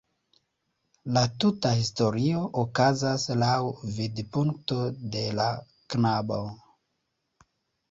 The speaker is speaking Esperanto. La tuta historio okazas laŭ vidpunkto de la knabo.